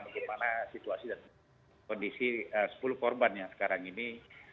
bagaimana situasi dan kondisi sepuluh korban yang sekarang ini